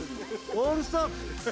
オールストップ。